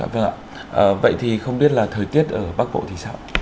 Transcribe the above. vâng ạ vậy thì không biết là thời tiết ở bắc bộ thì sao